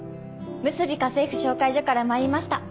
むすび家政婦紹介所から参りました矢口です。